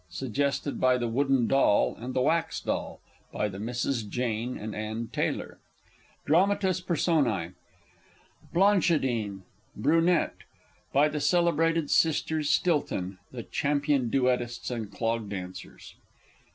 _ Suggested by "The Wooden Doll and the Wax Doll," by the Misses Jane and Ann Taylor. DRAMATIS PERSONÆ. Blanchidine, } By the celebrated Sisters STILTON, the Champion Brunette. } Duettists and Clog Dancers.